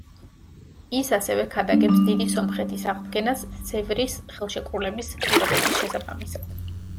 ის ასევე ქადაგებს დიდი სომხეთის აღდგენას სევრის ხელშეკრულების პირობების შესაბამისად.